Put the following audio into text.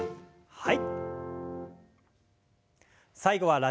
はい。